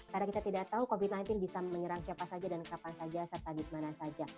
karena kita tidak tahu covid sembilan belas bisa menyerang siapa saja dan kapan saja serta di mana saja